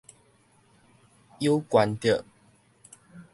有關著